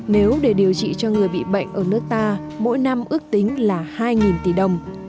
nếu để điều trị cho người bị bệnh ở nước ta mỗi năm ước tính là hai tỷ đồng